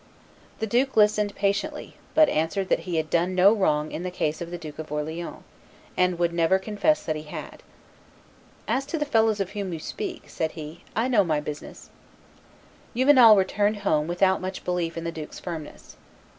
The duke listened patiently, but answered that he had done no wrong in the case of the Duke of Orleans, and would never confess that he had. "As to the fellows of whom you speak," said he, "I know my own business." Juvenal returned home without much belief in the duke's firmness.